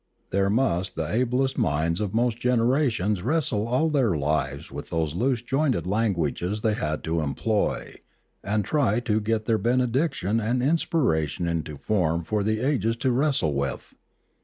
There must the ablest minds of most generations wrestle all their lives with the loose jointed languages they had to employ, and try to get their benediction and inspiration into form for the ages to wrestle with.